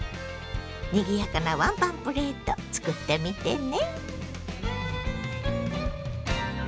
にぎやかなワンパンプレート作ってみてね。